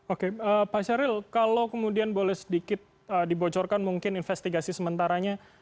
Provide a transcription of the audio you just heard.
oke pak syahril kalau kemudian boleh sedikit dibocorkan mungkin investigasi sementaranya